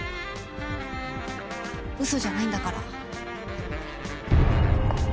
嘘じゃないんだから。